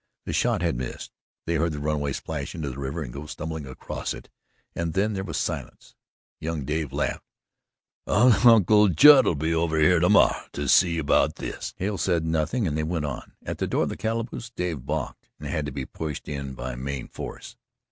The shot had missed; they heard the runaway splash into the river and go stumbling across it and then there was silence. Young Dave laughed: "Uncle Judd'll be over hyeh to morrow to see about this." Hale said nothing and they went on. At the door of the calaboose Dave balked and had to be pushed in by main force.